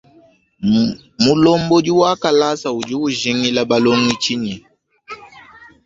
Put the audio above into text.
Mulombodi wa kalasa udi ujingila balongi tshinyi?